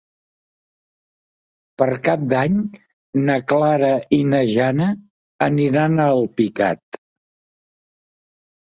Per Cap d'Any na Clara i na Jana aniran a Alpicat.